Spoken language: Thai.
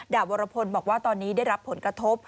วรพลบอกว่าตอนนี้ได้รับผลกระทบ